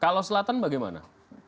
kalau selatan bagaimana